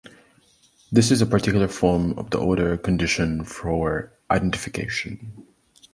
This is a particular form of the order condition for identification.